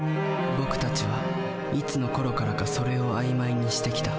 僕たちはいつのころからか「それ」を曖昧にしてきた。